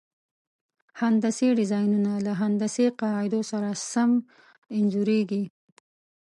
هندسي ډیزاینونه له هندسي قاعدو سره سم انځوریږي.